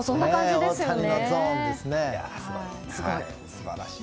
大谷のゾーンですね。